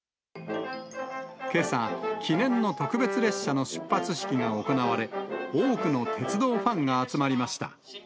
けさ、記念の特別列車の出発式が行われ、多くの鉄道ファンが集まりました。